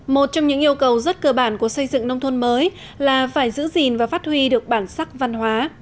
một trong những yêu cầu rất cơ bản của xây dựng nông thôn mới là phải giữ gìn và phát huy được bản sắc văn hóa